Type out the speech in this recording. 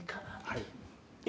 はい。